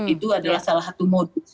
itu adalah salah satu modus